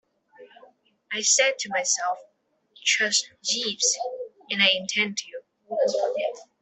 I said to myself 'Trust Jeeves,' and I intend to.